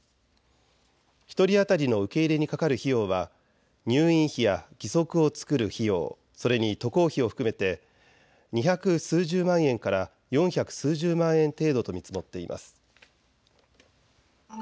１人当たりの受け入れにかかる費用は入院費や義足を作る費用、それに渡航費を含めて２百数十万円から４百数十万円程度と見積もっています。